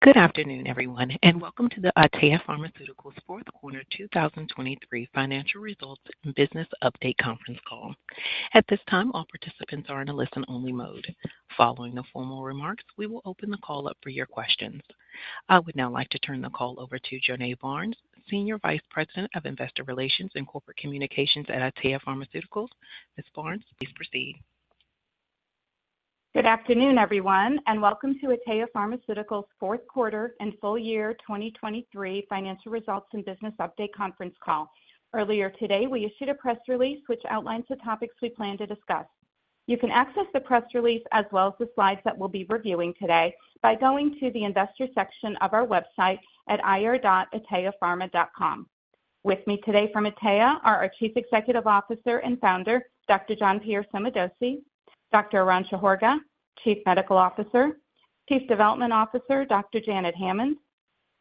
Good afternoon, everyone, and welcome to the Atea Pharmaceuticals' fourth quarter 2023 financial results and business update conference call. At this time, all participants are in a listen-only mode. Following the formal remarks, we will open the call up for your questions. I would now like to turn the call over to Jonae Barnes, Senior Vice President of Investor Relations and Corporate Communications at Atea Pharmaceuticals. Ms. Barnes, please proceed. Good afternoon, everyone, and welcome to Atea Pharmaceuticals' fourth quarter and full year 2023 financial results and business update conference call. Earlier today, we issued a press release which outlines the topics we plan to discuss. You can access the press release as well as the slides that we'll be reviewing today by going to the investor section of our website at ir.ateapharma.com. With me today from Atea are our Chief Executive Officer and Founder, Dr. Jean-Pierre Sommadossi; Dr. Arantxa Horga, Chief Medical Officer; Chief Development Officer, Dr. Janet Hammond;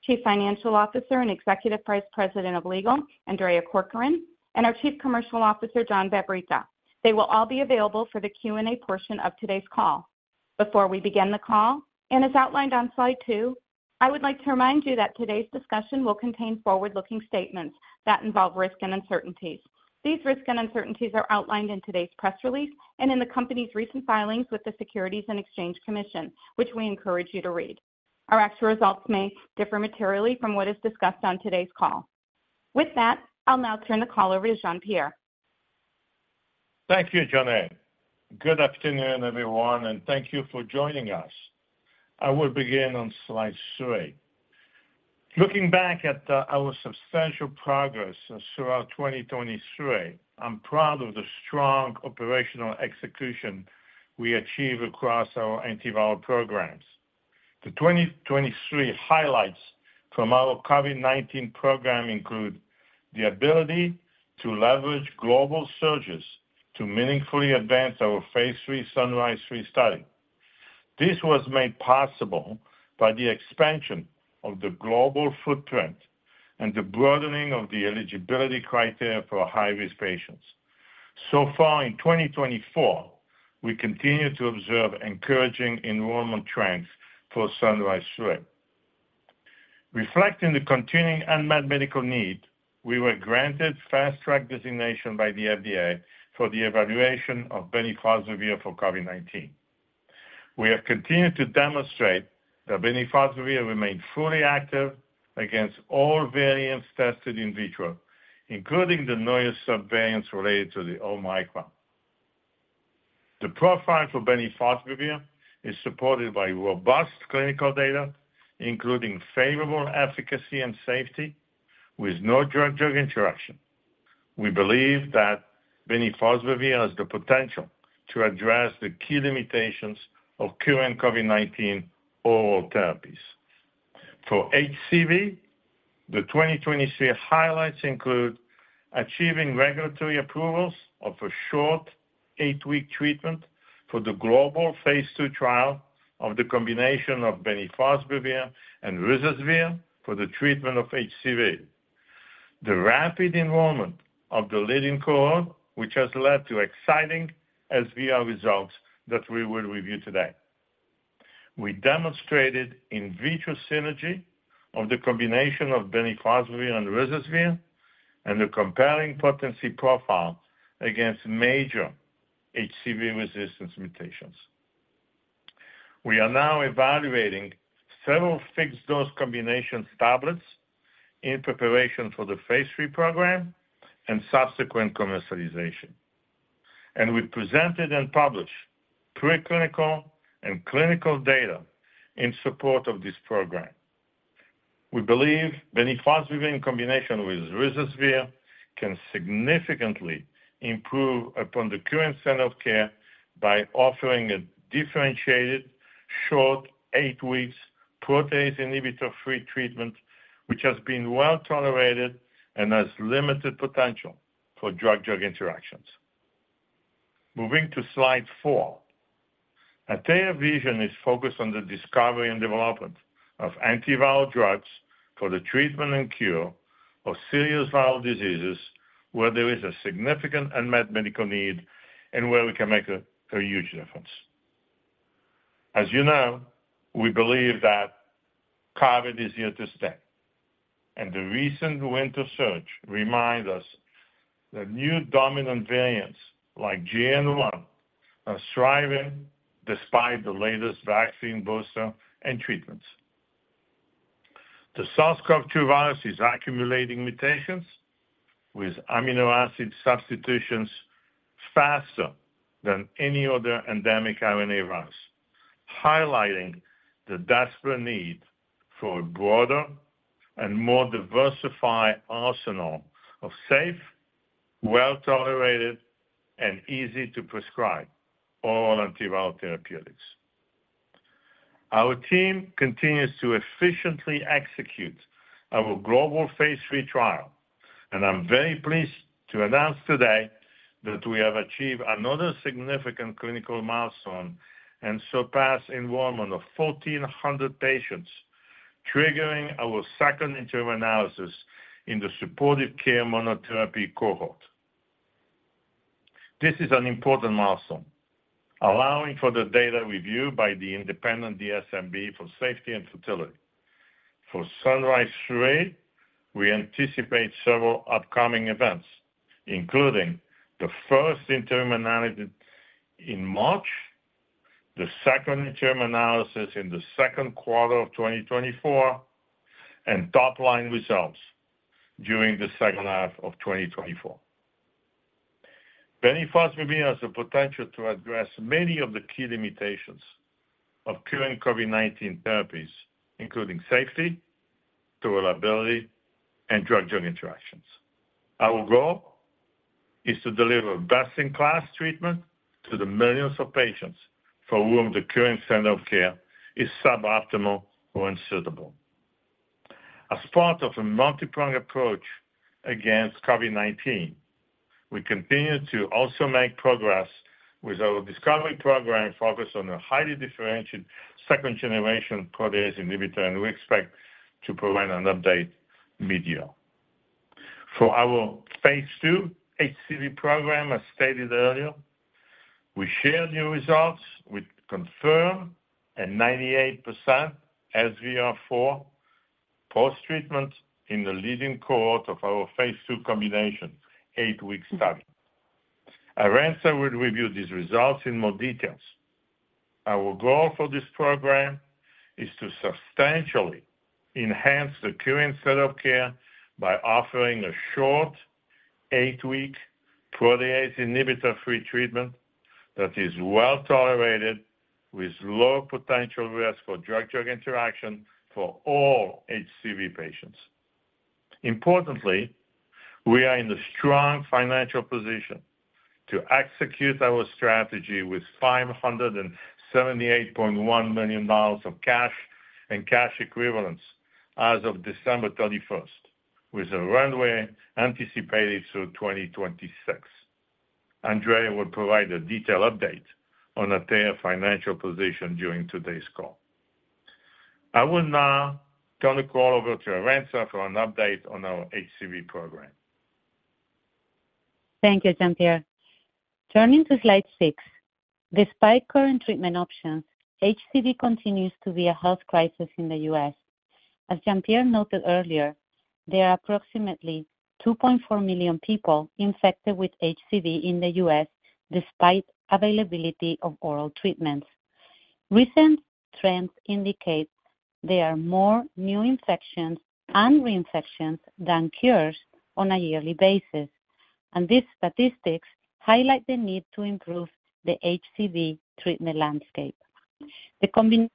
Chief Financial Officer and Executive Vice President of Legal, Andrea Corcoran; and our Chief Commercial Officer, John Vavricka. They will all be available for the Q&A portion of today's call. Before we begin the call, and as outlined on slide two, I would like to remind you that today's discussion will contain forward-looking statements that involve risk and uncertainties. These risks and uncertainties are outlined in today's press release and in the company's recent filings with the Securities and Exchange Commission, which we encourage you to read. Our actual results may differ materially from what is discussed on today's call. With that, I'll now turn the call over to Jean-Pierre. Thank you, Jonae. Good afternoon, everyone, and thank you for joining us. I will begin on slide three. Looking back at our substantial progress throughout 2023, I'm proud of the strong operational execution we achieved across our antiviral programs. The 2023 highlights from our COVID-19 program include the ability to leverage global surges to meaningfully advance our phase III SUNRISE-3 study. This was made possible by the expansion of the global footprint and the broadening of the eligibility criteria for high-risk patients. So far in 2024, we continue to observe encouraging enrollment trends for SUNRISE-3. Reflecting the continuing unmet medical need, we were granted Fast Track designation by the FDA for the evaluation of bemnifosbuvir for COVID-19. We have continued to demonstrate that bemnifosbuvir remains fully active against all variants tested in vitro, including the newest subvariants related to the Omicron. The profile for bemnifosbuvir is supported by robust clinical data, including favorable efficacy and safety, with no drug-drug interaction. We believe that bemnifosbuvir has the potential to address the key limitations of current COVID-19 oral therapies. For HCV, the 2023 highlights include achieving regulatory approvals of a short eight-week treatment for the global phase II trial of the combination of bemnifosbuvir and ruzasvir for the treatment of HCV. The rapid enrollment of the leading cohort, which has led to exciting SVR results that we will review today. We demonstrated in vitro synergy of the combination of bemnifosbuvir and ruzasvir and the compelling potency profile against major HCV resistance mutations. We are now evaluating several fixed-dose combination tablets in preparation for the phase III program and subsequent commercialization. We presented and published preclinical and clinical data in support of this program. We believe bemnifosbuvir in combination with ruzasvir can significantly improve upon the current standard of care by offering a differentiated, short, eight weeks, protease inhibitor-free treatment, which has been well tolerated and has limited potential for drug-drug interactions. Moving to slide four. Atea's vision is focused on the discovery and development of antiviral drugs for the treatment and cure of serious viral diseases where there is a significant unmet medical need and where we can make a huge difference. As you know, we believe that COVID is here to stay, and the recent winter surge reminds us that new dominant variants like JN.1 are thriving despite the latest vaccine booster and treatments. The SARS-CoV-2 virus is accumulating mutations with amino acid substitutions faster than any other endemic RNA virus, highlighting the desperate need for a broader and more diversified arsenal of safe, well-tolerated, and easy-to-prescribe oral antiviral therapeutics. Our team continues to efficiently execute our global phase III trial, and I'm very pleased to announce today that we have achieved another significant clinical milestone and surpassed enrollment of 1,400 patients, triggering our second interim analysis in the supportive care monotherapy cohort. This is an important milestone, allowing for the data review by the independent DSMB for safety and efficacy. For SUNRISE-3, we anticipate several upcoming events, including the first interim analysis in March, the second interim analysis in the second quarter of 2024, and top-line results during the second half of 2024. Bemnifosbuvir has the potential to address many of the key limitations of current COVID-19 therapies, including safety, tolerability, and drug-drug interactions. Our goal is to deliver best-in-class treatment to the millions of patients for whom the current standard of care is suboptimal or unsuitable. As part of a multipronged approach against COVID-19, we continue to also make progress with our discovery program focused on a highly differentiated second generation protease inhibitor, and we expect to provide an update mid-year. For our phase II HCV program, as stated earlier, we share new results, which confirm a 98% SVR4 post-treatment in the leading cohort of our phase II combination, eight-week study. Arantxa will review these results in more details. Our goal for this program is to substantially enhance the current standard of care by offering a short, eight-week, protease inhibitor-free treatment that is well-tolerated, with low potential risk for drug-drug interaction for all HCV patients. Importantly, we are in a strong financial position to execute our strategy with $578.1 million of cash and cash equivalents as of December 31st, with a runway anticipated through 2026. Andrea will provide a detailed update on Atea's financial position during today's call. I will now turn the call over to Arantxa for an update on our HCV program. Thank you, Jean-Pierre. Turning to slide 6. Despite current treatment options, HCV continues to be a health crisis in the U.S. As Jean-Pierre noted earlier, there are approximately 2.4 million people infected with HCV in the U.S. despite availability of oral treatments. Recent trends indicate there are more new infections and reinfections than cures on a yearly basis, and these statistics highlight the need to improve the HCV treatment landscape. The combination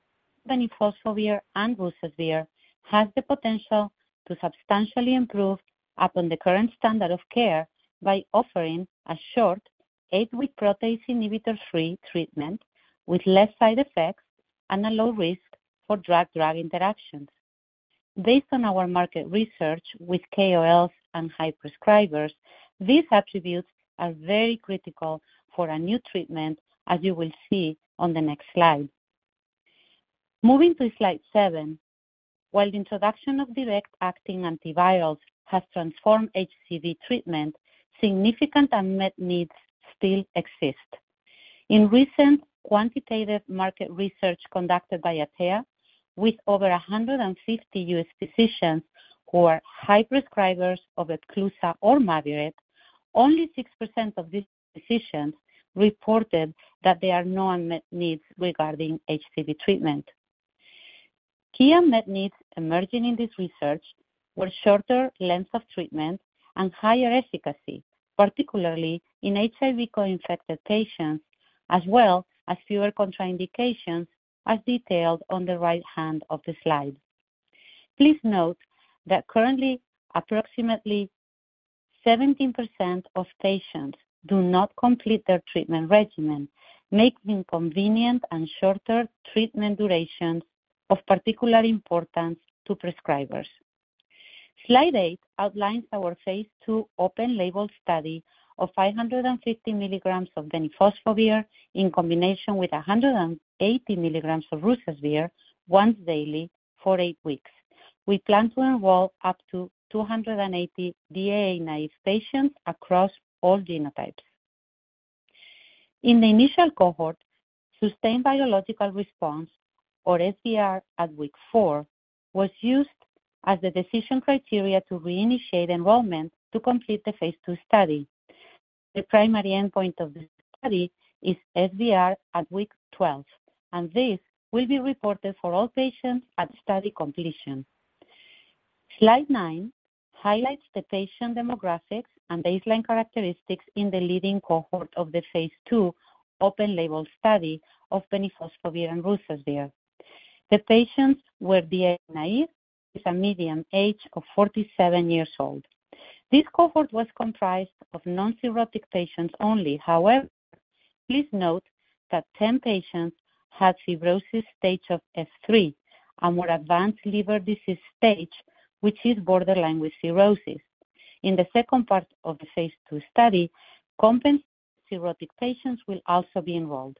bemnifosbuvir and ruzasvir has the potential to substantially improve upon the current standard of care by offering a short, 8-week protease inhibitor-free treatment with less side effects and a low risk for drug-drug interactions. Based on our market research with KOLs and high prescribers, these attributes are very critical for a new treatment, as you will see on the next slide. Moving to slide seven. While the introduction of direct acting antivirals has transformed HCV treatment, significant unmet needs still exist. In recent quantitative market research conducted by Atea, with over 150 U.S. physicians who are high prescribers of Epclusa or Mavyret, only 6% of these physicians reported that there are no unmet needs regarding HCV treatment. Key unmet needs emerging in this research were shorter lengths of treatment and higher efficacy, particularly in HIV coinfected patients, as well as fewer contraindications, as detailed on the right hand of the slide. Please note that currently, approximately 17% of patients do not complete their treatment regimen, making convenient and shorter treatment durations of particular importance to prescribers. Slide eight outlines our phase II open label study of 550 mg of bemnifosbuvir in combination with 180 mg of ruzasvir once daily for eight weeks. We plan to enroll up to 280 DAA-naïve patients across all genotypes. In the initial cohort, sustained virologic response, or SVR, at week 4 was used as the decision criteria to reinitiate enrollment to complete the phase II study. The primary endpoint of the study is SVR at week 12, and this will be reported for all patients at study completion. Slide nine highlights the patient demographics and baseline characteristics in the leading cohort of the phase II open-label study of bemnifosbuvir and ruzasvir. The patients were DAA-naïve, with a median age of 47 years old. This cohort was comprised of non-cirrhotic patients only. However, please note that 10 patients had cirrhosis stage of S3, a more advanced liver disease stage, which is borderline with cirrhosis. In the second part of the phase II study, compensated cirrhotic patients will also be enrolled.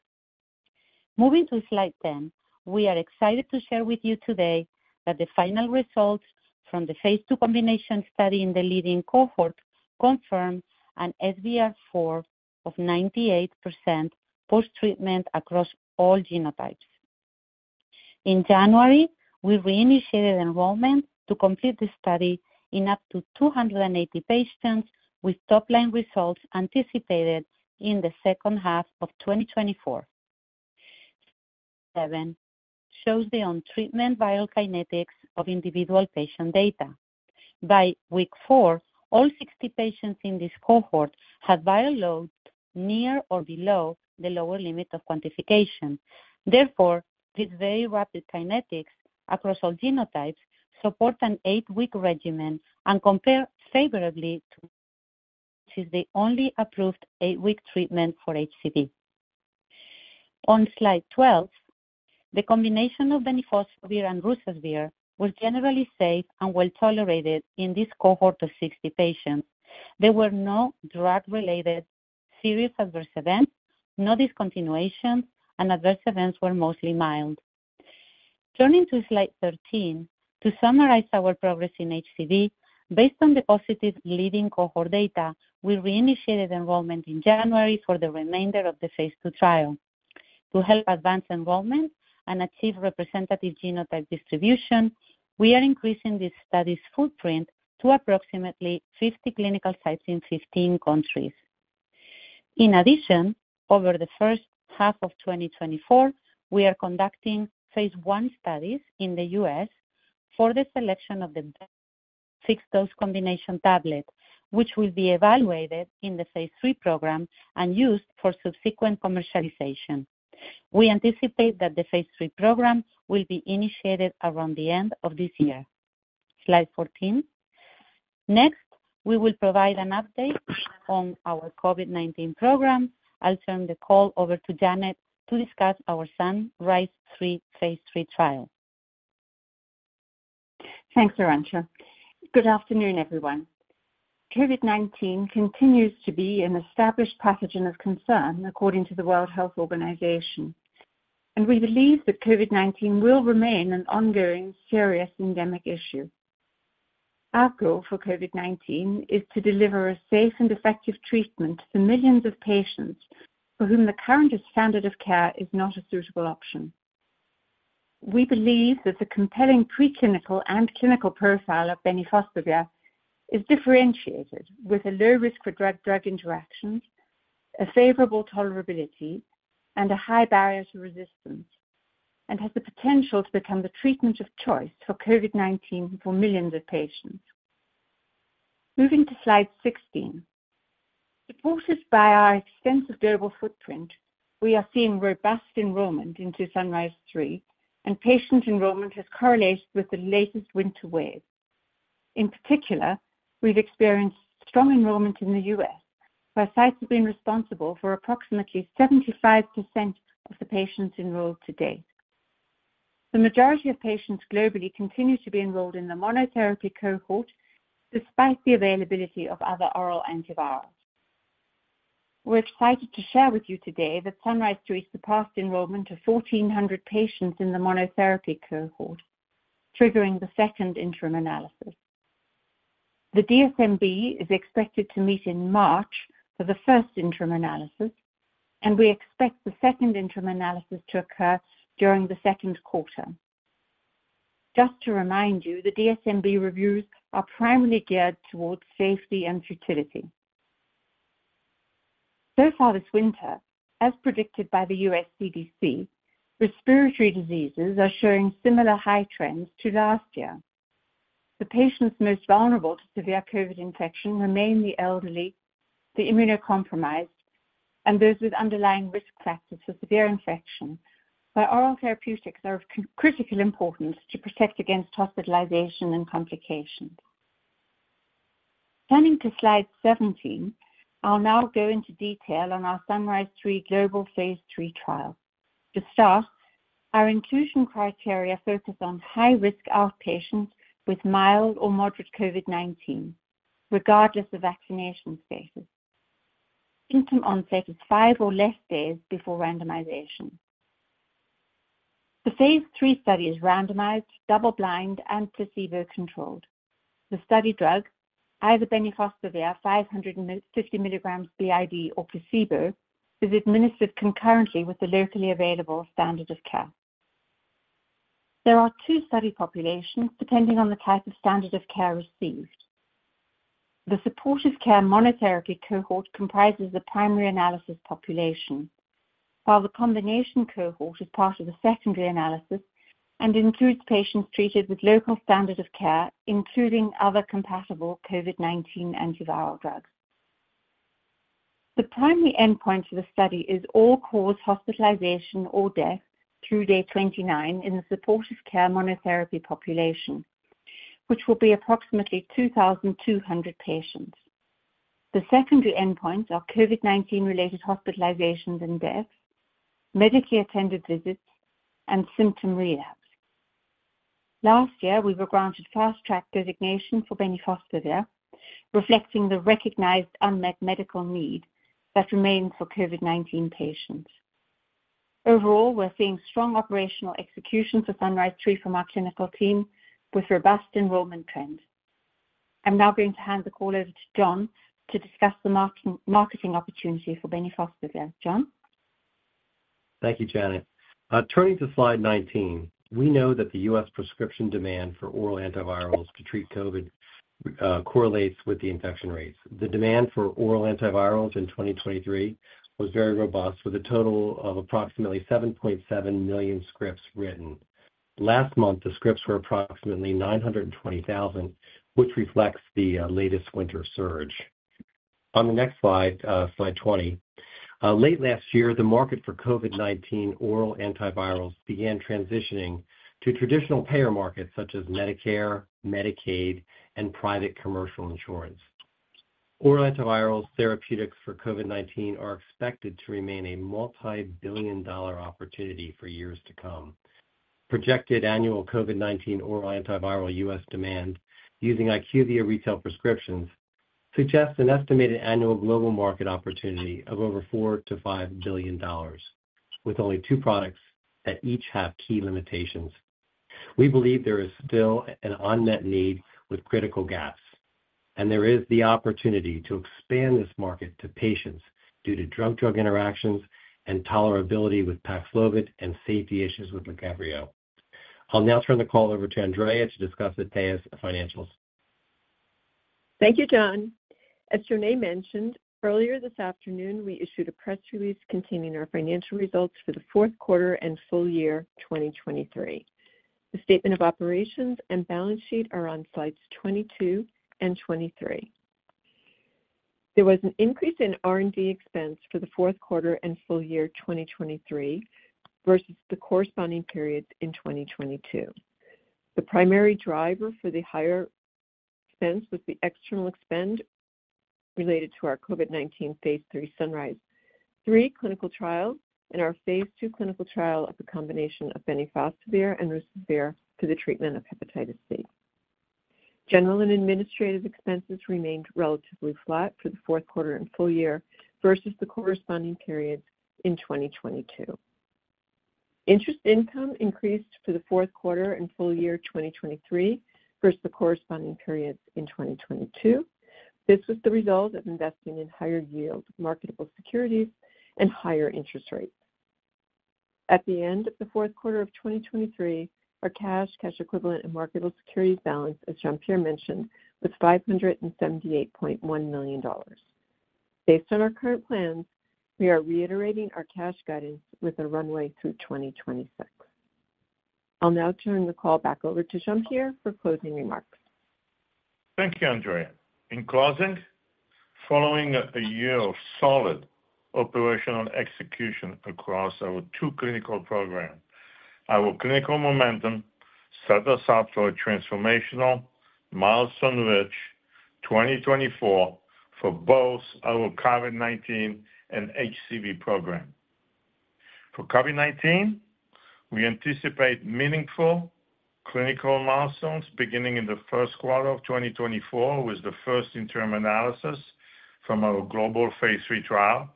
Moving to Slide 10. We are excited to share with you today that the final results from the phase II combination study in the leading cohort confirmed an SVR4 of 98% post-treatment across all genotypes. In January, we reinitiated enrollment to complete the study in up to 280 patients, with top-line results anticipated in the second half of 2024. Slide 7 shows the on-treatment biokinetics of individual patient data. By week 4, all 60 patients in this cohort had viral loads near or below the lower limit of quantification. Therefore, this very rapid kinetics across all genotypes support an 8-week regimen and compare favorably to, which is the only approved 8-week treatment for HCV. On Slide 12, the combination of bemnifosbuvir and ruzasvir was generally safe and well tolerated in this cohort of 60 patients. There were no drug-related serious adverse events, no discontinuations, and adverse events were mostly mild. Turning to Slide 13, to summarize our progress in HCV, based on the positive leading cohort data, we reinitiated enrollment in January for the remainder of the phase II trial. To help advance enrollment and achieve representative genotype distribution, we are increasing this study's footprint to approximately 50 clinical sites in 15 countries. In addition, over the first half of 2024, we are conducting phase I studies in the U.S. for the selection of the 6-dose combination tablet, which will be evaluated in the phase III program and used for subsequent commercialization. We anticipate that the phase III program will be initiated around the end of this year. Slide 14. Next, we will provide an update on our COVID-19 program. I'll turn the call over to Janet to discuss our SUNRISE-3 phase III trial. Thanks, Arantxa. Good afternoon, everyone. COVID-19 continues to be an established pathogen of concern, according to the World Health Organization, and we believe that COVID-19 will remain an ongoing serious endemic issue. Our goal for COVID-19 is to deliver a safe and effective treatment to millions of patients for whom the current standard of care is not a suitable option. We believe that the compelling preclinical and clinical profile of bemnifosbuvir is differentiated with a low risk for drug-drug interactions, a favorable tolerability, and a high barrier to resistance, and has the potential to become the treatment of choice for COVID-19 for millions of patients. Moving to Slide 16. Supported by our extensive global footprint, we are seeing robust enrollment into SUNRISE-3, and patient enrollment has correlated with the latest winter wave. In particular, we've experienced strong enrollment in the U.S., where sites have been responsible for approximately 75% of the patients enrolled today. The majority of patients globally continue to be enrolled in the monotherapy cohort, despite the availability of other oral antivirals. We're excited to share with you today that SUNRISE-3 surpassed enrollment to 1,400 patients in the monotherapy cohort, triggering the second interim analysis. The DSMB is expected to meet in March for the first interim analysis, and we expect the second interim analysis to occur during the second quarter. Just to remind you, the DSMB reviews are primarily geared towards safety and futility. So far this winter, as predicted by the U.S. CDC, respiratory diseases are showing similar high trends to last year. The patients most vulnerable to severe COVID infection remain the elderly, the immunocompromised, and those with underlying risk factors for severe infection, where oral therapeutics are of critical importance to protect against hospitalization and complications. Turning to Slide 17, I'll now go into detail on our SUNRISE-3 global phase III trial. To start, our inclusion criteria focus on high-risk outpatients with mild or moderate COVID-19, regardless of vaccination status. Symptom onset is five or less days before randomization. The phase III study is randomized, double-blind, and placebo-controlled. The study drug, either bemnifosbuvir 550 mg BID or placebo, is administered concurrently with the locally available standard of care. There are two study populations, depending on the type of standard of care received. The supportive care monotherapy cohort comprises the primary analysis population, while the combination cohort is part of the secondary analysis and includes patients treated with local standard of care, including other compatible COVID-19 antiviral drugs. The primary endpoint of the study is all-cause hospitalization or death through day 29 in the supportive care monotherapy population, which will be approximately 2,200 patients. The secondary endpoints are COVID-19-related hospitalizations and deaths, medically attended visits, and symptom relapse.... Last year, we were granted Fast Track Designation for bemnifosbuvir, reflecting the recognized unmet medical need that remains for COVID-19 patients. Overall, we're seeing strong operational execution for SUNRISE-3 from our clinical team, with robust enrollment trends. I'm now going to hand the call over to John to discuss the marketing opportunity for bemnifosbuvir. John? Thank you, Janet. Turning to slide 19, we know that the U.S. prescription demand for oral antivirals to treat COVID correlates with the infection rates. The demand for oral antivirals in 2023 was very robust, with a total of approximately 7.7 million scripts written. Last month, the scripts were approximately 920,000, which reflects the latest winter surge. On the next slide, slide 20, late last year, the market for COVID-19 oral antivirals began transitioning to traditional payer markets such as Medicare, Medicaid, and private commercial insurance. Oral antivirals therapeutics for COVID-19 are expected to remain a multibillion-dollar opportunity for years to come. Projected annual COVID-19 oral antiviral U.S. demand using IQVIA retail prescriptions suggests an estimated annual global market opportunity of over $4 billion-$5 billion, with only two products that each have key limitations. We believe there is still an unmet need with critical gaps, and there is the opportunity to expand this market to patients due to drug-drug interactions and tolerability with Paxlovid and safety issues with Lagevrio. I'll now turn the call over to Andrea to discuss Atea's financials. Thank you, John. As Jonae mentioned, earlier this afternoon, we issued a press release containing our financial results for the fourth quarter and full year 2023. The statement of operations and balance sheet are on slides 22 and 23. There was an increase in R&D expense for the fourth quarter and full year 2023 versus the corresponding periods in 2022. The primary driver for the higher expense was the external spend related to our COVID-19 phase III SUNRISE-3 clinical trial and our phase II clinical trial of the combination of bemnifosbuvir and ribavirin for the treatment of hepatitis C. General and administrative expenses remained relatively flat for the fourth quarter and full year versus the corresponding periods in 2022. Interest income increased for the fourth quarter and full year 2023 versus the corresponding periods in 2022. This was the result of investing in higher yield marketable securities and higher interest rates. At the end of the fourth quarter of 2023, our cash, cash equivalent and marketable securities balance, as Jean-Pierre mentioned, was $578.1 million. Based on our current plans, we are reiterating our cash guidance with a runway through 2026. I'll now turn the call back over to Jean-Pierre for closing remarks. Thank you, Andrea. In closing, following a year of solid operational execution across our two clinical programs, our clinical momentum set us up for a transformational milestone-rich 2024 for both our COVID-19 and HCV program. For COVID-19, we anticipate meaningful clinical milestones beginning in the first quarter of 2024, with the first interim analysis from our global phase III trial,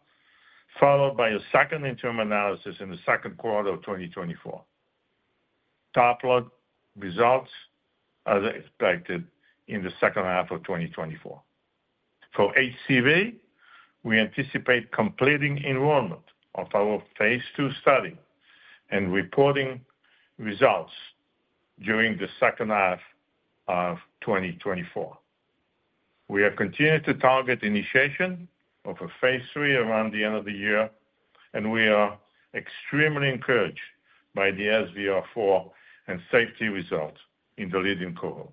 followed by a second interim analysis in the second quarter of 2024. Top line results as expected in the second half of 2024. For HCV, we anticipate completing enrollment of our phase II study and reporting results during the second half of 2024. We have continued to target initiation of a phase III around the end of the year, and we are extremely encouraged by the SVR4 and safety results in the leading cohort.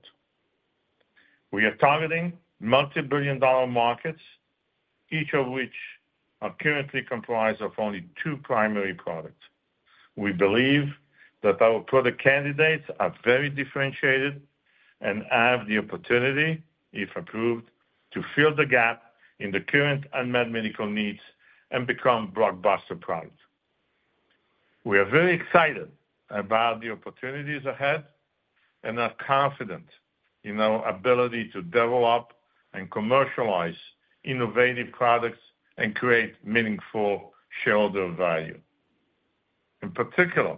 We are targeting multibillion-dollar markets, each of which are currently comprised of only two primary products. We believe that our product candidates are very differentiated and have the opportunity, if approved, to fill the gap in the current unmet medical needs and become blockbuster products. We are very excited about the opportunities ahead and are confident in our ability to develop and commercialize innovative products and create meaningful shareholder value. In particular,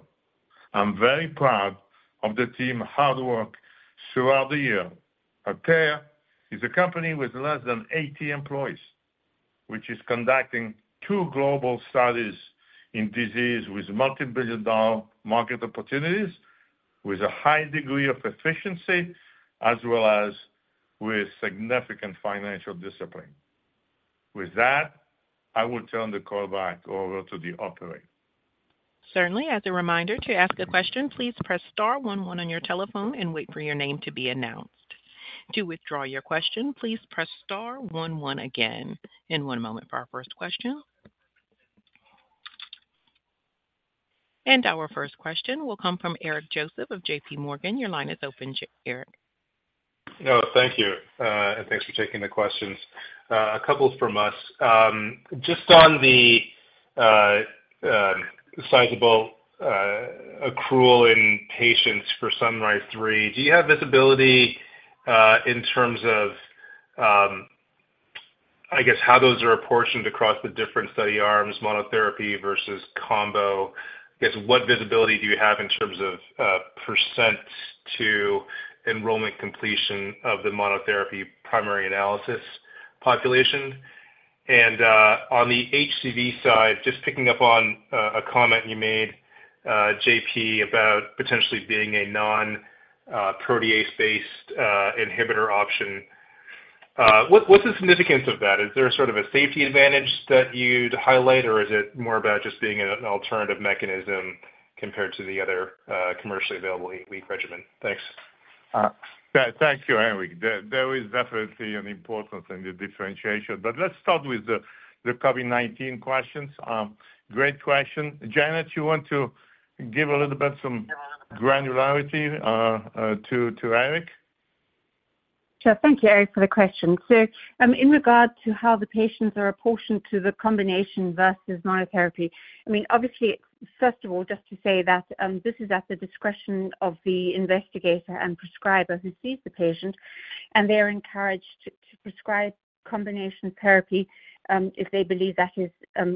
I'm very proud of the team's hard work throughout the year. Atea is a company with less than 80 employees, which is conducting two global studies in diseases with multibillion-dollar market opportunities, with a high degree of efficiency as well as with significant financial discipline. With that, I will turn the call back over to the operator. Certainly. As a reminder, to ask a question, please press star one one on your telephone and wait for your name to be announced. To withdraw your question, please press star one one again. In one moment for our first question. And our first question will come from Eric Joseph of JPMorgan. Your line is open, Eric. No, thank you. And thanks for taking the questions. A couple from us. Just on the sizable accrual in patients for SUNRISE-3, do you have visibility in terms of I guess how those are apportioned across the different study arms, monotherapy versus combo? I guess, what visibility do you have in terms of percent to enrollment completion of the monotherapy primary analysis population? And on the HCV side, just picking up on a comment you made, JP, about potentially being a non protease-based inhibitor option. What, what's the significance of that? Is there sort of a safety advantage that you'd highlight, or is it more about just being an alternative mechanism compared to the other commercially available eight-week regimen? Thanks. Thank you, Eric. There is definitely an importance in the differentiation. But let's start with the COVID-19 questions. Great question. Janet, you want to give a little bit some granularity to Eric? Sure. Thank you, Eric, for the question. So, in regard to how the patients are apportioned to the combination versus monotherapy, I mean, obviously, first of all, just to say that this is at the discretion of the investigator and prescriber who sees the patient, and they are encouraged to prescribe combination therapy if they believe that is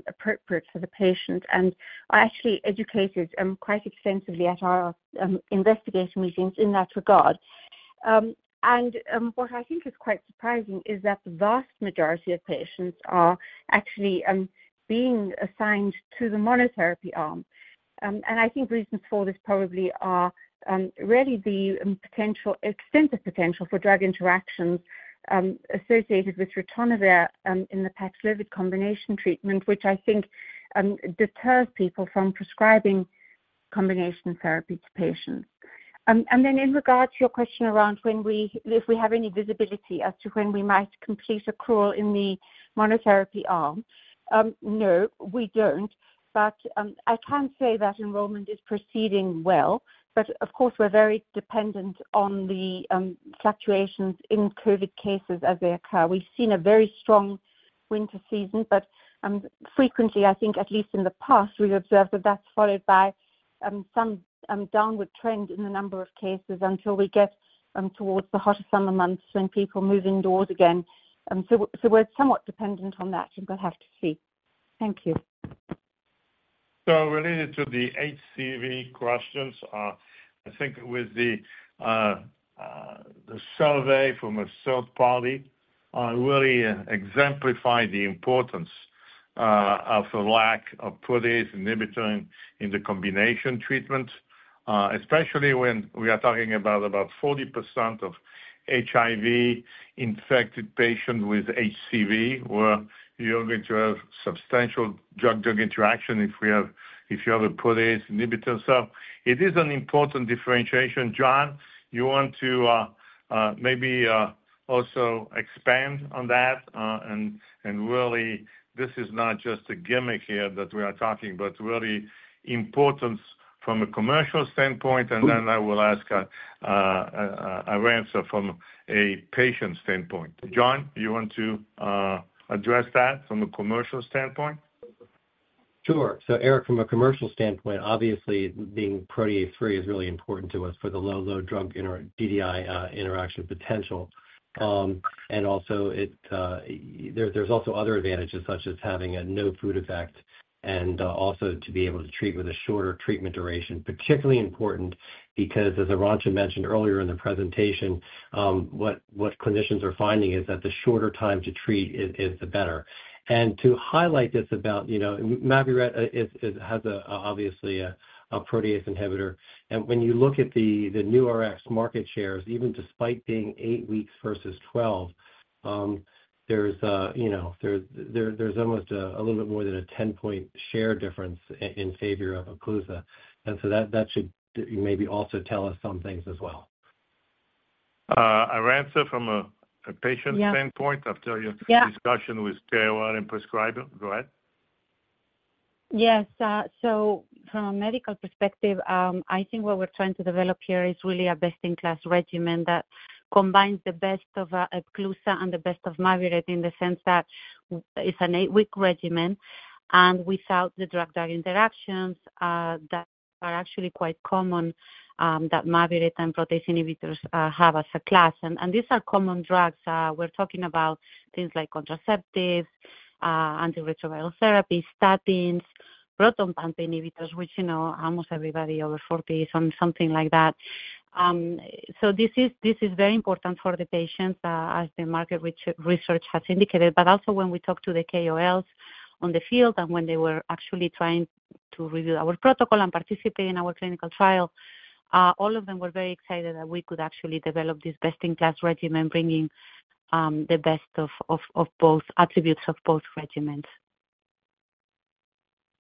appropriate for the patient. And they are actually educated quite extensively at our investigator meetings in that regard. And what I think is quite surprising is that the vast majority of patients are actually being assigned to the monotherapy arm. And I think reasons for this probably are really the extensive potential for drug interactions associated with ritonavir in the Paxlovid combination treatment, which I think deters people from prescribing combination therapy to patients. And then in regard to your question around when we, if we have any visibility as to when we might complete accrual in the monotherapy arm, no, we don't. But I can say that enrollment is proceeding well, but of course, we're very dependent on the fluctuations in COVID cases as they occur. We've seen a very strong winter season, but frequently, I think at least in the past, we've observed that that's followed by some downward trend in the number of cases until we get towards the hotter summer months when people move indoors again. So, so we're somewhat dependent on that, and we'll have to see. Thank you. So related to the HCV questions, I think with the, the survey from a third party, really exemplify the importance, of the lack of protease inhibitor in, in the combination treatment, especially when we are talking about, about 40% of HIV-infected patients with HCV, where you're going to have substantial drug-drug interaction if you have a protease inhibitor. So it is an important differentiation. John, you want to, maybe, also expand on that, and, and really, this is not just a gimmick here that we are talking, but really importance from a commercial standpoint, and then I will ask, Arantxa from a patient standpoint. John, do you want to, address that from a commercial standpoint? Sure. So Eric, from a commercial standpoint, obviously, being protease-free is really important to us for the low drug-drug DDI interaction potential. And also, there's also other advantages, such as having a no food effect and also to be able to treat with a shorter treatment duration. Particularly important, because as Arantxa mentioned earlier in the presentation, what clinicians are finding is that the shorter time to treat is the better. And to highlight this about, you know, Mavyret has, obviously, a protease inhibitor. And when you look at the new Rx market shares, even despite being eight weeks versus 12, there's almost a little bit more than a 10-point share difference in favor of Epclusa. So that should maybe also tell us some things as well. Arantxa, from a patient- Yeah. standpoint, after your- Yeah.... discussion with KOL and prescriber. Go ahead. Yes, so from a medical perspective, I think what we're trying to develop here is really a best-in-class regimen that combines the best of Epclusa and the best of Mavyret, in the sense that it's an eight-week regimen, and without the drug-drug interactions that are actually quite common that Mavyret and protease inhibitors have as a class. And these are common drugs. We're talking about things like contraceptives, antiretroviral therapy, statins, proton pump inhibitors, which, you know, almost everybody over forty is on something like that. So this is very important for the patients, as the market research has indicated. But also when we talk to the KOLs on the field and when they were actually trying to review our protocol and participate in our clinical trial, all of them were very excited that we could actually develop this best-in-class regimen, bringing the best of both attributes of both regimens.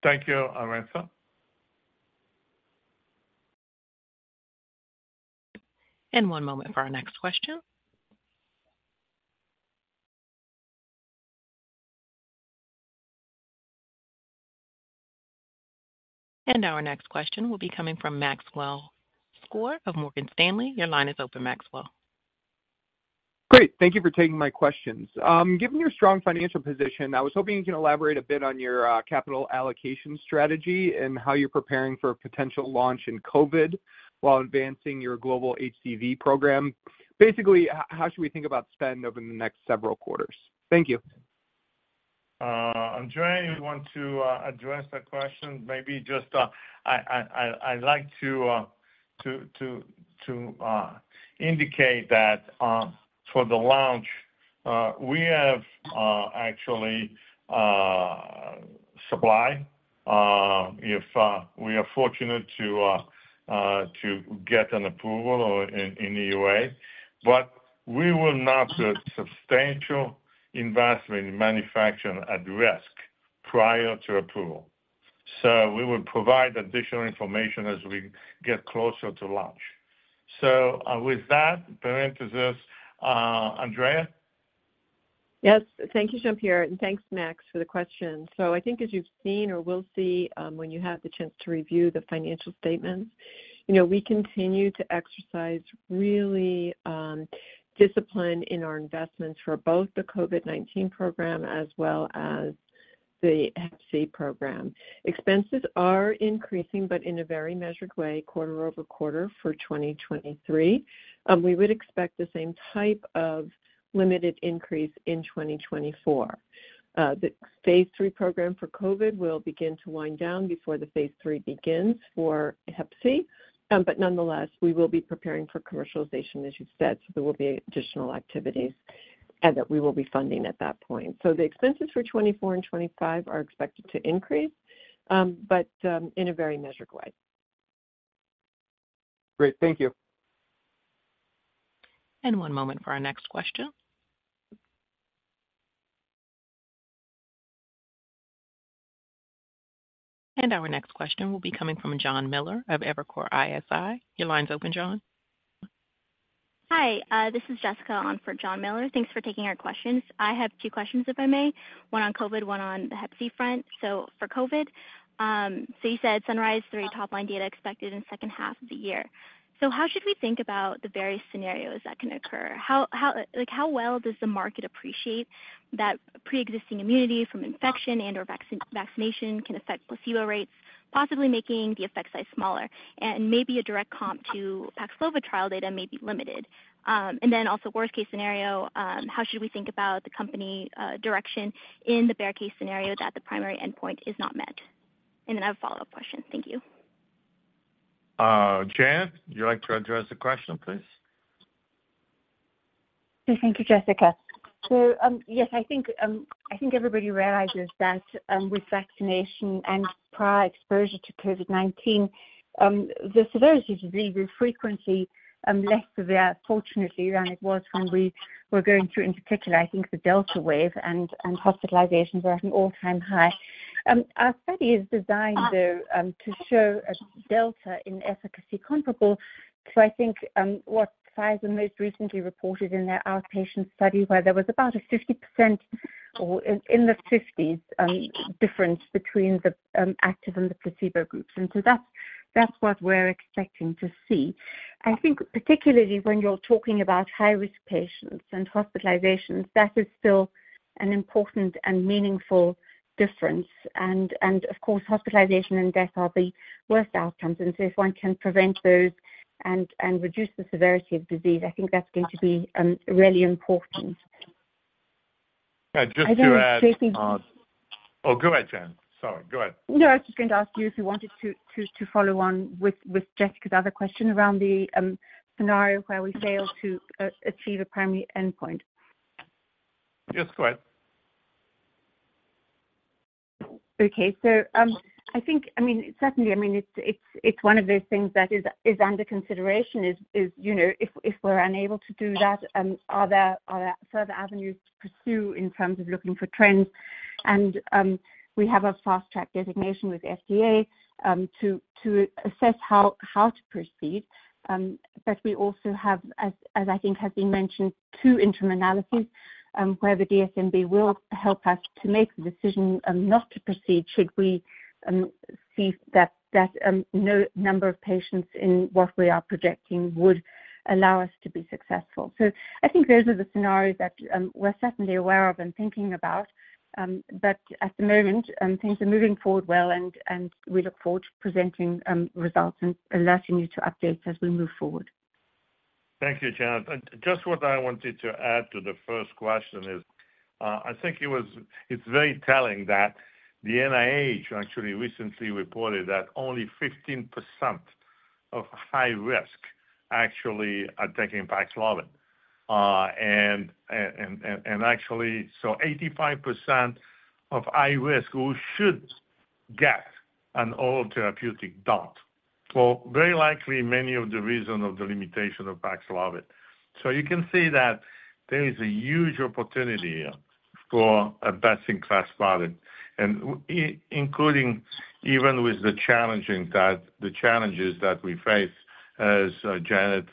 Thank you, Arantxa. One moment for our next question. Our next question will be coming from Maxwell Skor of Morgan Stanley. Your line is open, Maxwell. Great. Thank you for taking my questions. Given your strong financial position, I was hoping you can elaborate a bit on your capital allocation strategy and how you're preparing for a potential launch in COVID, while advancing your global HCV program. Basically, how should we think about spend over the next several quarters? Thank you. Andrea, you want to address that question? Maybe just, I'd like to indicate that for the launch, we have actually supply if we are fortunate to get an approval or EUA. But we will not do substantial investment in manufacturing at risk prior to approval. So we will provide additional information as we get closer to launch. So, with that parenthesis, Andrea? Yes. Thank you, Jean-Pierre, and thanks, Max, for the question. So I think as you've seen or will see, when you have the chance to review the financial statements, you know, we continue to exercise really, discipline in our investments for both the COVID-19 program as well as the hep C program. Expenses are increasing, but in a very measured way, quarter-over-quarter for 2023. We would expect the same type of limited increase in 2024. The phase III program for COVID will begin to wind down before the phase III begins for hep C. But nonetheless, we will be preparing for commercialization, as you've said, so there will be additional activities and that we will be funding at that point. So the expenses for 2024 and 2025 are expected to increase, but, in a very measured way. Great. Thank you. One moment for our next question. Our next question will be coming from Jon Miller of Evercore ISI. Your line's open, Jon. Hi, this is Jessica on for Jon Miller. Thanks for taking our questions. I have two questions, if I may. One on COVID, one on the hep C front. So for COVID, so you said Sunrise three top line data expected in second half of the year. So how should we think about the various scenarios that can occur? Like, how well does the market appreciate that preexisting immunity from infection and/or vaccination can affect placebo rates, possibly making the effect size smaller and maybe a direct comp to Paxlovid trial data may be limited? And then also, worst case scenario, how should we think about the company direction in the bear case scenario that the primary endpoint is not met? And then I have a follow-up question. Thank you. Janet, would you like to address the question, please? Yes, thank you, Jessica. So, yes, I think, I think everybody realizes that, with vaccination and prior exposure to COVID-19, the severity is really, frequently, less severe, fortunately, than it was when we were going through, in particular, I think, the Delta wave and, and hospitalizations were at an all-time high. Our study is designed, though, to show a delta in efficacy comparable to, I think, what Pfizer most recently reported in their outpatient study, where there was about a 50% or in the 50s, difference between the active and the placebo groups. And so that's, that's what we're expecting to see. I think particularly when you're talking about high-risk patients and hospitalizations, that is still an important and meaningful difference. And, and of course, hospitalization and death are the worst outcomes. So if one can prevent those and reduce the severity of disease, I think that's going to be really important. And just to add- I think- Oh, go ahead, Janet. Sorry. Go ahead. No, I was just going to ask you if you wanted to follow on with Jessica's other question around the scenario where we fail to achieve a primary endpoint. Yes, go ahead. Okay. So, I think, I mean, certainly, I mean, it's one of those things that is under consideration, you know, if we're unable to do that, are there further avenues to pursue in terms of looking for trends? And we have a Fast Track Designation with FDA to assess how to proceed. But we also have, as I think has been mentioned, two interim analyses where the DSMB will help us to make the decision not to proceed should we see that no number of patients in what we are projecting would allow us to be successful. So I think those are the scenarios that we're certainly aware of and thinking about. But at the moment, things are moving forward well, and we look forward to presenting results and allowing you to update as we move forward. Thank you, Janet. Just what I wanted to add to the first question is, I think it's very telling that the NIH actually recently reported that only 15% of high-risk actually are taking Paxlovid. And actually, so 85% of high-risk who should get an oral therapeutic don't, for very likely many of the reasons of the limitation of Paxlovid. So you can see that there is a huge opportunity here for a best-in-class product, and including even with the challenges that we face, as Janet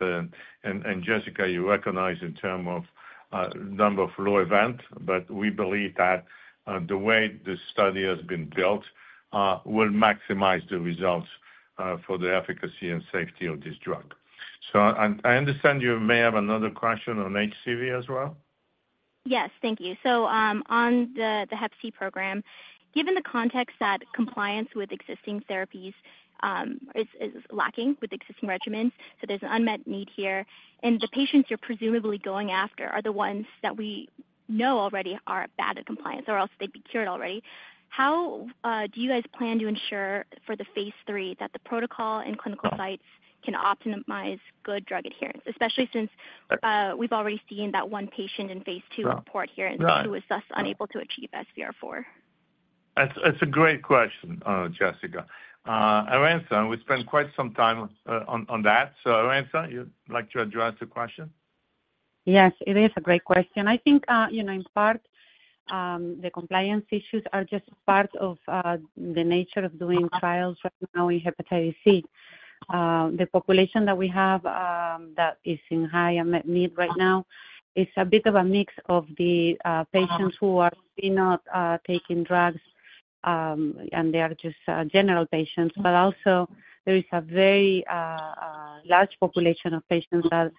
and Jessica, you recognize in terms of number of low event, but we believe that the way the study has been built will maximize the results for the efficacy and safety of this drug. So I understand you may have another question on HCV as well? Yes. Thank you. So, on the hep C program, given the context that compliance with existing therapies is lacking with existing regimens, so there's an unmet need here. And the patients you're presumably going after are the ones that we know already are bad at compliance, or else they'd be cured already. How do you guys plan to ensure for the phase III that the protocol and clinical sites can optimize good drug adherence, especially since we've already seen that one patient in phase II- Right. -poor adherence, who was thus unable to achieve SVR4? That's, that's a great question, Jessica. Arantxa, we spent quite some time on that. So, Arantxa, you'd like to address the question? Yes, it is a great question. I think, you know, in part, the compliance issues are just part of the nature of doing trials right now in hepatitis C. The population that we have, that is in high unmet need right now is a bit of a mix of the patients who are maybe not taking drugs, and they are just general patients. But also there is a very large population of patients that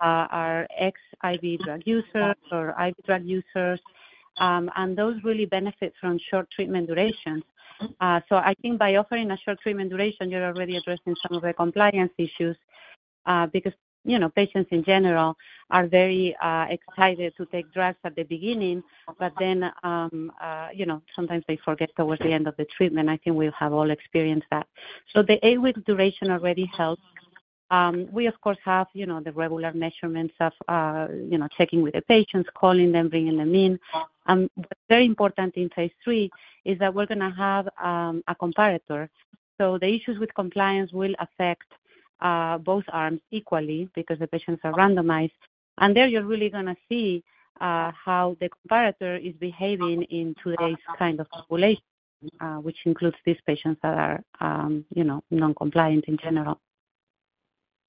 are ex-IV drug users or IV drug users, and those really benefit from short treatment durations. So I think by offering a short treatment duration, you're already addressing some of the compliance issues, because, you know, patients in general are very, excited to take drugs at the beginning, but then, you know, sometimes they forget towards the end of the treatment. I think we have all experienced that. So the eight-week duration already helps. We of course have, you know, the regular measurements of, you know, checking with the patients, calling them, bringing them in. Very important in phase three is that we're gonna have, a comparator. So the issues with compliance will affect, both arms equally because the patients are randomized. And there, you're really gonna see, how the comparator is behaving in today's kind of population, which includes these patients that are, you know, non-compliant in general.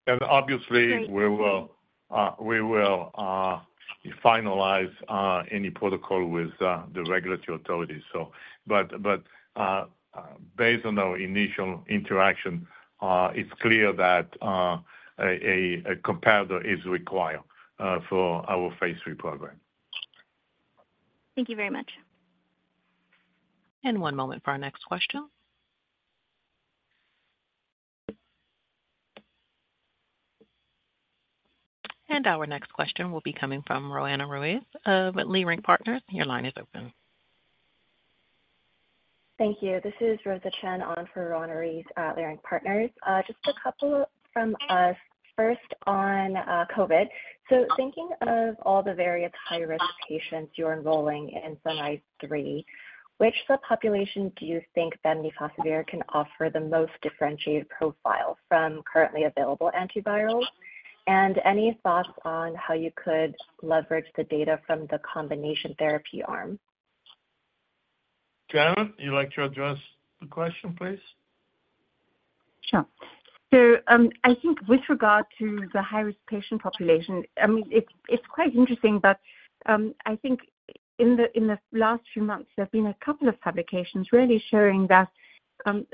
And obviously- Great.... we will finalize any protocol with the regulatory authorities. But based on our initial interaction, it's clear that a comparator is required for our phase III program. Thank you very much. One moment for our next question. Our next question will be coming from Roanna Ruiz of Leerink Partners. Your line is open. Thank you. This is Rosa Chen on for Roanna Ruiz at Leerink Partners. Just a couple from us. First on COVID. So thinking of all the various high-risk patients you're enrolling in SUNRISE-3, which subpopulation do you think bemnifosbuvir can offer the most differentiated profile from currently available antivirals? And any thoughts on how you could leverage the data from the combination therapy arm? Janet, you'd like to address the question, please? Sure. So, I think with regard to the high-risk patient population, I mean, it's quite interesting, but, I think in the last few months, there have been a couple of publications really showing that,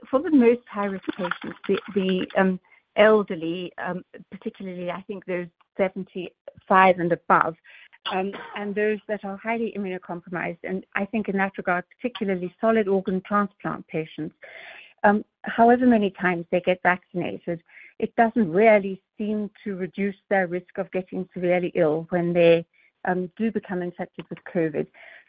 for the most high-risk patients, the elderly, particularly I think those 75 and above, and those that are highly immunocompromised, and I think in that regard, particularly solid organ transplant patients, however many times they get vaccinated, it doesn't really seem to reduce their risk of getting severely ill when they do become infected with COVID.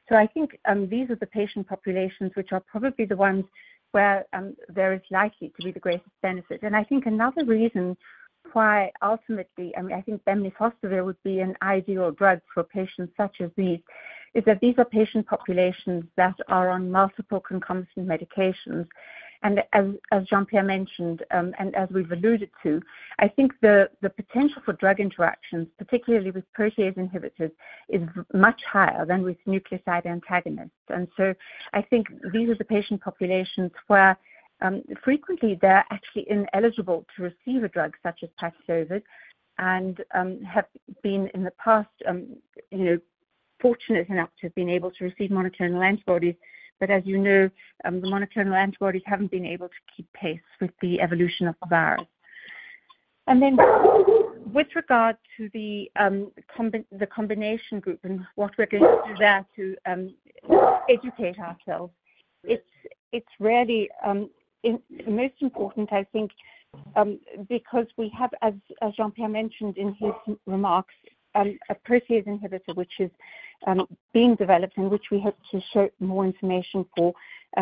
So I think, these are the patient populations which are probably the ones where there is likely to be the greatest benefit. I think another reason why ultimately, I mean, I think bemnifosbuvir would be an ideal drug for patients such as these, is that these are patient populations that are on multiple concomitant medications. As Jean-Pierre mentioned, and as we've alluded to, I think the potential for drug interactions, particularly with protease inhibitors, is much higher than with nucleoside antagonists. So I think these are the patient populations where, frequently they're actually ineligible to receive a drug such as Paxlovid and, have been in the past, you know, fortunate enough to have been able to receive monoclonal antibodies. But as you know, the monoclonal antibodies haven't been able to keep pace with the evolution of the virus. And then with regard to the combination group and what we're going to do there to educate ourselves, it's really most important, I think, because we have, as Jean-Pierre mentioned in his remarks, a protease inhibitor, which is being developed and which we hope to show more information for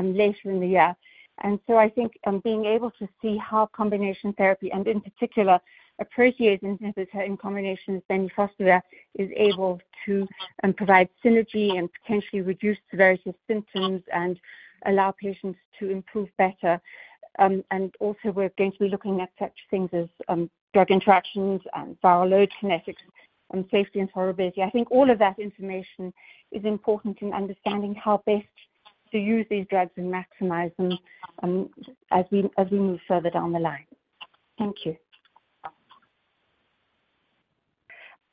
later in the year. And so I think being able to see how combination therapy, and in particular a protease inhibitor in combination with bemnifosbuvir, is able to provide synergy and potentially reduce the various symptoms and allow patients to improve better. And also, we're going to be looking at such things as drug interactions and viral load kinetics and safety and tolerability. I think all of that information is important in understanding how best to use these drugs and maximize them, as we move further down the line. Thank you.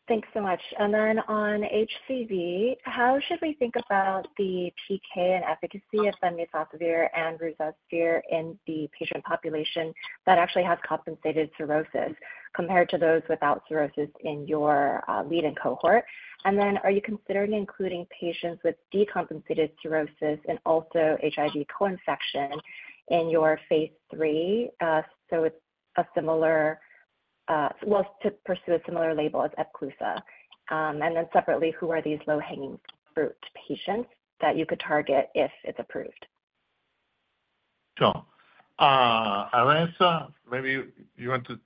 Thanks so much. And then on HCV, how should we think about the PK and efficacy of bemnifosbuvir and ruzasvir in the patient population that actually has compensated cirrhosis compared to those without cirrhosis in your leading cohort? And then are you considering including patients with decompensated cirrhosis and also HIV coinfection in your phase III, so it's a similar well to pursue a similar label as Epclusa? And then separately, who are these low-hanging fruit patients that you could target if it's approved? Sure. Arantxa, maybe you want to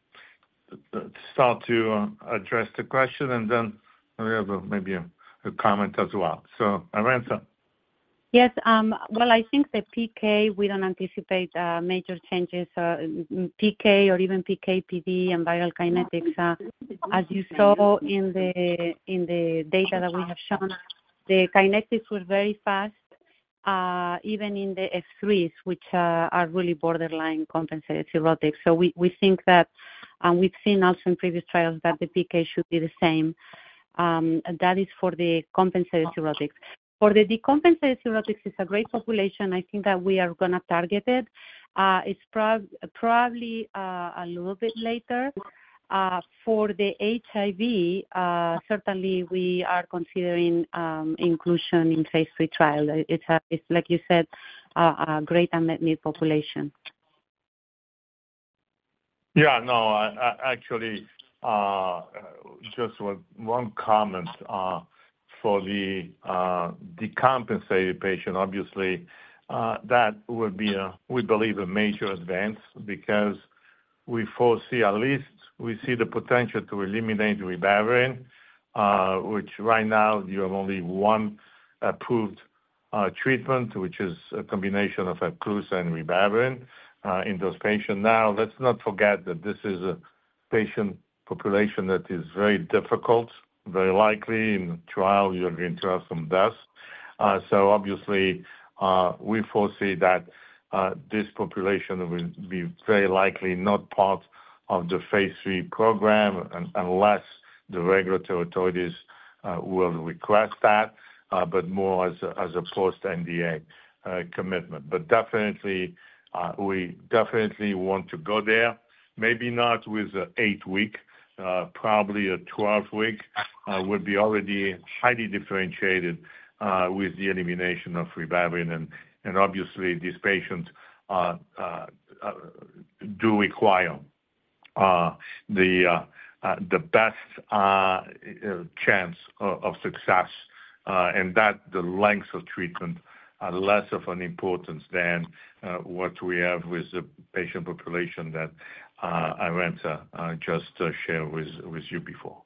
start to address the question, and then we have maybe a comment as well. So Arantxa? Yes, well, I think the PK, we don't anticipate major changes in PK or even PK/PD and biokinetics. As you saw in the data that we have shown, the kinetics were very fast even in the S3s, which are really borderline compensated cirrhotic. So we think that, and we've seen also in previous trials that the PK should be the same, that is for the compensated cirrhotic. For the decompensated cirrhotic, it's a great population I think that we are gonna target it. It's probably a little bit later. For the HIV, certainly we are considering inclusion in phase III trial. It's like you said, a great unmet medical population. Yeah, no, actually, just one comment for the decompensated patient. Obviously, that would be a, we believe, a major advance because we foresee, at least we see the potential to eliminate ribavirin, which right now you have only one approved treatment, which is a combination of Epclusa and ribavirin, in those patients. Now, let's not forget that this is a patient population that is very difficult, very likely in the trial, you're going to have some deaths. So obviously, we foresee that, this population will be very likely not part of the phase III program unless the regulatory authorities will request that, but more as a, as opposed to NDA, commitment. But definitely, we definitely want to go there, maybe not with an eight-week, probably a 12-week, would be already highly differentiated, with the elimination of ribavirin. And obviously, these patients do require the best chance of success, and that the length of treatment are less of an importance than what we have with the patient population that Arantxa just shared with you before.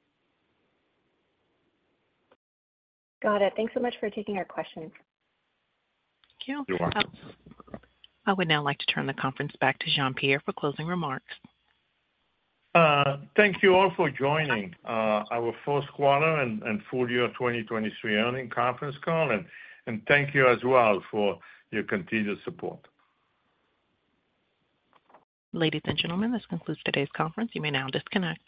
Got it. Thanks so much for taking our questions. You're welcome. I would now like to turn the conference back to Jean-Pierre for closing remarks. Thank you all for joining our fourth quarter and full year 2023 earnings conference call, and thank you as well for your continued support. Ladies and gentlemen, this concludes today's conference. You may now disconnect.